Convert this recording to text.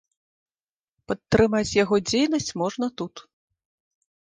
Падтрымаць яго дзейнасць можна тут.